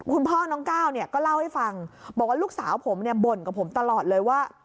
คุณพ่อน้องก้าวเนี่ยก็เล่าให้ฟังบอกว่าลูกสาวผมเนี่ยบ่นกับผมตลอดเลยว่า